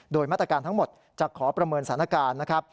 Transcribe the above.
โดยมาตรการทั้งหมดจะขอประเมินสถานการณ์นะครับ